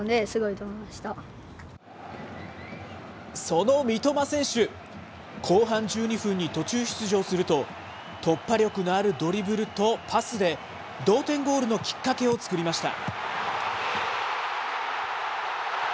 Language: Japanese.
その三笘選手、後半１２分に途中出場すると、突破力のあるドリブルとパスで同点ゴールのきっかけを作りました。